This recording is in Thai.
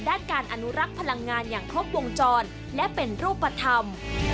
ด้านการอนุรักษ์พลังงานอย่างครบวงจรและเป็นรูปธรรม